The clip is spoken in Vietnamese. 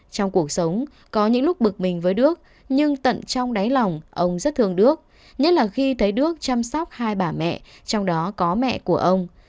trong cuộc sống có những lúc bực mình với đước nhưng tận trong đáy lòng ông rất thương đước nhất là khi thấy đức chăm sóc hai bà mẹ trong đó có mẹ của ông